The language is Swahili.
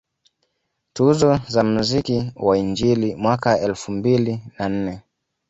Tuzo za mziki wa injili mwaka elfu mbili na nne